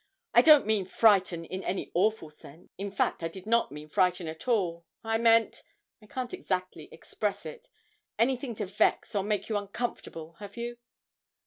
'I don't mean frighten in any awful sense in fact, I did not mean frighten at all. I meant I can't exactly express it anything to vex, or make you uncomfortable; have you?'